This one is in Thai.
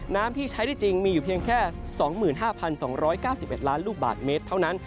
ที่ใช้ได้จริงมีอยู่เพียงแค่๒๕๒๙๑ล้านลูกบาทเมตรเท่านั้น